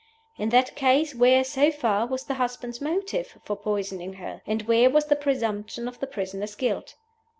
In that case, where (so far) was the husband's motive for poisoning her? and where was the presumption of the prisoner's guilt?